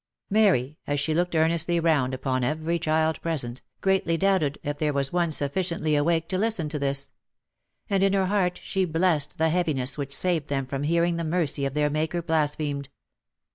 Mary, as she looked earnestly round upon every child present, greatly doubted if there was one sufficiently awake to listen to this ; and in her heart she blessed the heaviness which saved them from hearing the mercy of their Maker blasphemed.